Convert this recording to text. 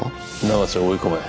永瀬を追い込め。